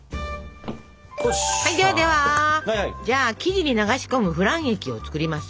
ではではじゃあ生地に流し込むフラン液を作りますよ。